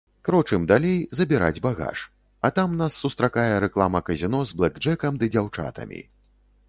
Крочым далей забіраць багаж, а там нас сустракае рэклама казіно з блэкджэкам ды дзяўчатамі.